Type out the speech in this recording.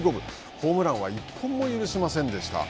ホームランは１本も許しませんでした。